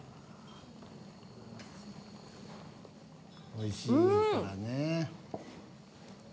おいしいからね。